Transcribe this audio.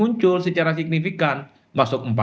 untuk memperbaiki kemampuan kita